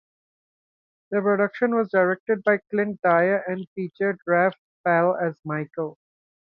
The production was directed by Clint Dyer and featured Rafe Spall as Michael.